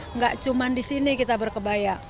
enggak cuma di sini kita berkebaya